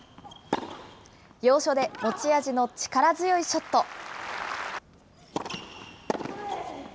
要所で持ち味の力強いショット。